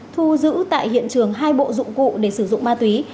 thu giữ tại hiện trường hai bộ dụng cụ để sử dụng ma túy